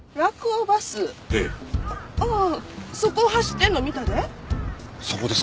ああそこを走ってんの見たで。